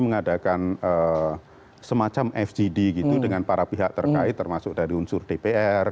mengadakan semacam fgd gitu dengan para pihak terkait termasuk dari unsur dpr